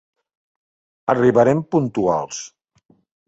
Arribarem puntuals.